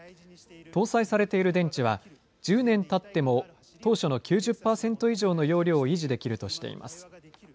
搭載されている電池は１０年経っても当社の９０パーセント以上の容量を維持できるとしています。